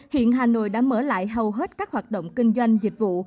hiện hà nội đã mở lại hầu hết các hoạt động kinh doanh dịch vụ